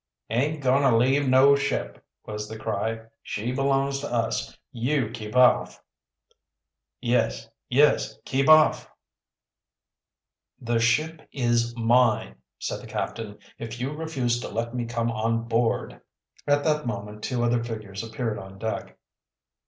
"Aint going to leave no ship!" was the cry. "She belongs to us. You keep off!" "Yes, yes, keep off!" added the others on the deck. "The ship is mine," said the captain. "If you refuse to let me come on board " At that moment two other figures appeared on deck.